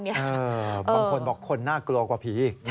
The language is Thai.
บางคนบอกคนน่ากลัวกว่าผี